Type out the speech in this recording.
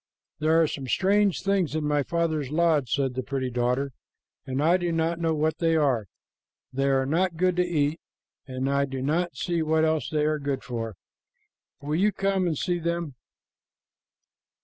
"There are some strange things in my father's lodge," said the pretty daughter, "and I do not know what they are. They are not good to eat, and I do not see what else they are good for. Will you come and see them?"